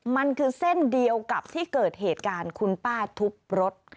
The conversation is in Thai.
มันคือเส้นเดียวกับที่เกิดเหตุการณ์คุณป้าทุบรถ